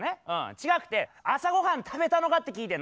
違くて朝御飯食べたのかって聞いてんの。